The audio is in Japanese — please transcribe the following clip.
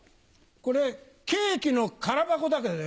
これケーキの空箱だけどよ。